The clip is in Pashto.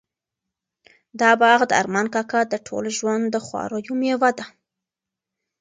دا باغ د ارمان کاکا د ټول ژوند د خواریو مېوه ده.